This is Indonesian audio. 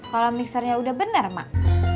kalau mixernya udah bener mak